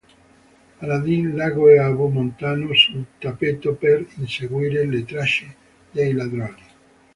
Aladdin, Iago e Abu montano sul tappeto per inseguire le tracce dei Ladroni.